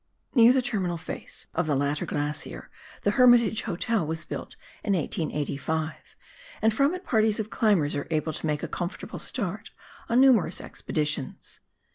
Near the terminal face of the latter glacier, the Hermitage Hotel was built in 1885, and from it parties of climbers are able to make a comfortable start on numerous expeditions.